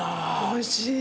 おいしい。